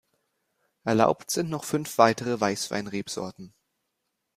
Erlaubt sind noch fünf weitere Weißwein-Rebsorten.